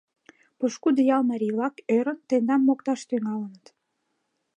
Пошкудо ял марий-влак, ӧрын, тендам мокташ тӱҥалыт!